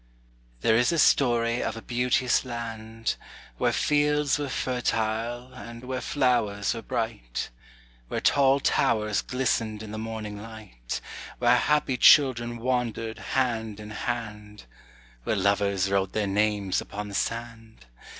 There is a story of a beauteous land, Where fields were fertile and where flowers were bright; Where tall towers glistened in the morning light, Where happy children wandered hand in hand, Where lovers wrote their names upon the sand.